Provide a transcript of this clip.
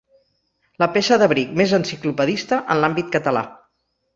La peça d'abric més enciclopedista en l'àmbit català.